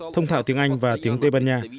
thông thạo tiếng anh và tiếng tây ban nha